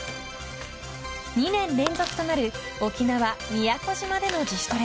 ２年連続となる沖縄、宮古島での自主トレ。